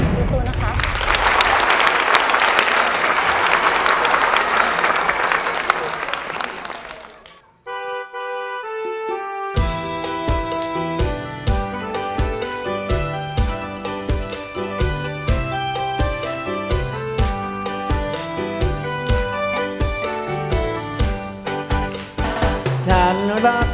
สู้นะครับ